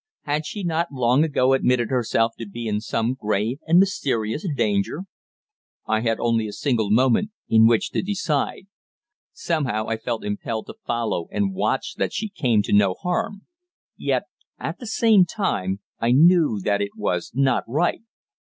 Had she not long ago admitted herself to be in some grave and mysterious danger? I had only a single moment in which to decide. Somehow I felt impelled to follow and watch that she came to no harm; yet, at the same time, I knew that it was not right.